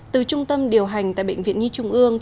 từ trung tâm điều hành tại bệnh viện nhi trung ương